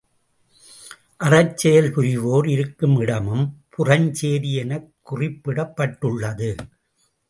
அறச்செயல் புரிவோர் இருக்கும் இடமும் புறஞ்சேரி எனக் குறிப்பிடப்பட்டுள்ளது.